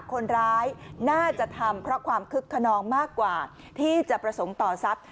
คนร้ายน่าจะทำเพราะความคึกขนองมากกว่าที่จะประสงค์ต่อทรัพย์